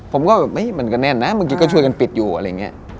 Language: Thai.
ผมก็แบบมันก็แน่นนะบางทีก็ช่วยกันปิดอยู่อะไรอย่างนี้